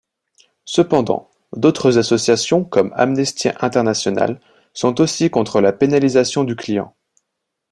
Cependant d'autres associations, comme Amnesty International, sont aussi contre la pénalisation du client.